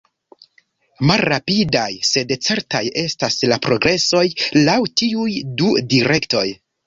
Malrapidaj, sed certaj, estas la progresoj, laŭ tiuj du direktoj.